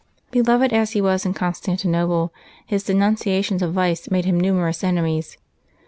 ^' Beloved as he was in Constantinople, his denuncia tions of vice made him numerous enemies.